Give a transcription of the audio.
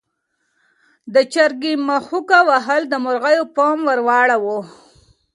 د چرګې مښوکه وهل د مرغیو پام ور واړاوه.